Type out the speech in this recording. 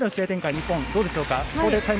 日本どうでしょうか。